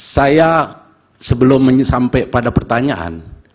saya sebelum menyampaikan pertanyaan